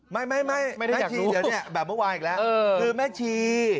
ไม่ไม่แม่ชีเดี๋ยวเนี่ยแบบเมื่อวานอีกแล้วคือแม่ชี